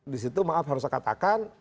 di situ maaf harus saya katakan